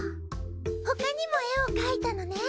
他にも絵を描いたのね。